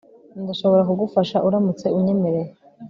Ndashobora kugufasha uramutse unyemereye